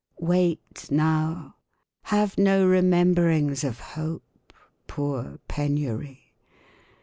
Wait now; have no rememberings of hope. Poor penury.